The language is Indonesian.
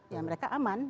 ya mereka aman